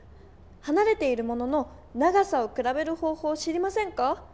はなれているものの長さをくらべる方ほう知りませんか？